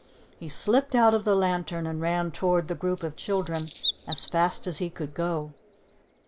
He slipped out of the lantern, and ran toward the group of children as fast as he could go.